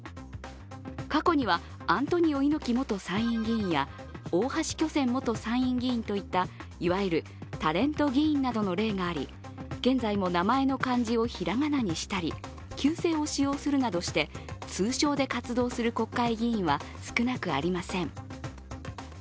過去には、アントニオ猪木元参院議員や大橋巨泉元参院議員といった、いわゆるタレント議員などの例があり、現在も名前の漢字をひらがなにしたり、旧姓を使用するなどして通称で活動する国会議員は少なくありません。